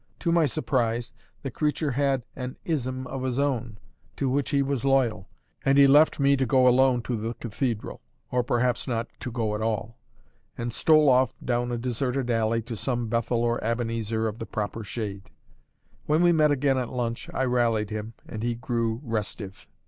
To my surprise, the creature had an ISM of his own, to which he was loyal; and he left me to go alone to the cathedral or perhaps not to go at all and stole off down a deserted alley to some Bethel or Ebenezer of the proper shade. When we met again at lunch, I rallied him, and he grew restive.